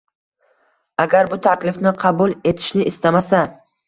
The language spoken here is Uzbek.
Agar bu taklifni qabul etishni istamasa